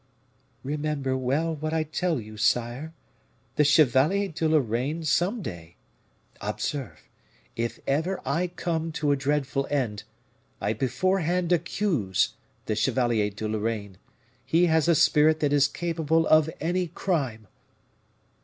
"Remember well what I tell you, sire; the Chevalier de Lorraine some day Observe, if ever I come to a dreadful end, I beforehand accuse the Chevalier de Lorraine; he has a spirit that is capable of any crime!"